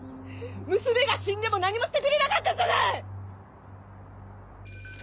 娘が死んでも何もしてくれなかったじゃない！